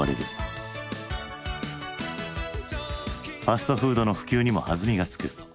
ファストフードの普及にも弾みがつく。